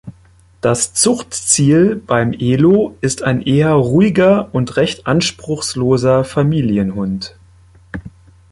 Das Zuchtziel beim Elo ist ein eher ruhiger und recht anspruchsloser Familienhund.